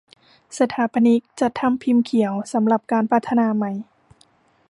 สถาปนิกจัดทำพิมพ์เขียวสำหรับการพัฒนาใหม่